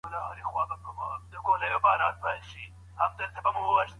پخوانۍ قلمي نسخې مي پیدا کړې.